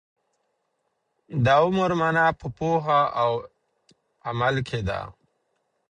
د عمر مانا په پوهه او عمل کي ده.